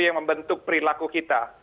yang membentuk perilaku kita